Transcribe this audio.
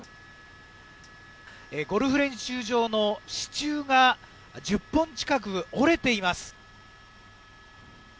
ゴルフ練習場の支柱が１０本近く折れています。